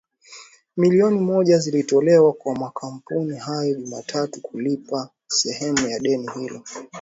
milioni moja zilitolewa kwa makampuni hayo Jumatatu kulipa sehemu ya deni hilo